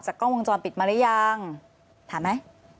กล้องวงจรปิดมาหรือยังถามไหม